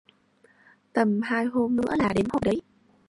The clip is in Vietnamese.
Tầm hai hôm nữa là đến hội đấy